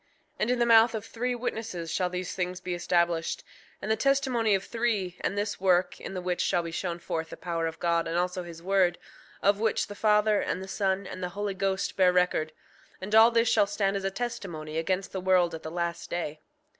5:4 And in the mouth of three witnesses shall these things be established; and the testimony of three, and this work, in the which shall be shown forth the power of God and also his word, of which the Father, and the Son, and the Holy Ghost bear record—and all this shall stand as a testimony against the world at the last day.